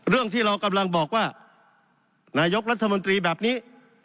เรื่องที่เรากำลังบอกว่านายกรัฐมนตรีแบบนี้